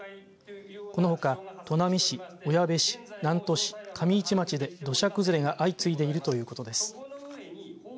このほか、砺波市、小矢部市南砺市、上市町で土砂崩れが相次いでいるということです。